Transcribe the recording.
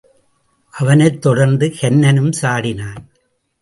அவனைத் தொடர்ந்து கன்னனும் சாடினான்.